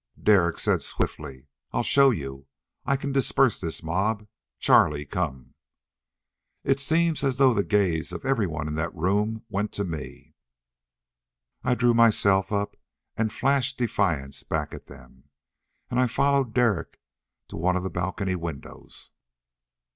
Derek said swiftly, "I'll show you. I can disperse this mob! Charlie, come." It seemed as though the gaze of everyone in the room went to me. I drew myself up and flashed defiance back at them. And I followed Derek to one of the balcony windows.